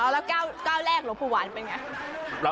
อ๋อแล้วก้าวแรกหลวงปู่หวานเป็นอย่างไร